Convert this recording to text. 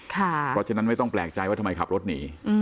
เพราะฉะนั้นไม่ต้องแปลกใจว่าทำไมขับรถหนี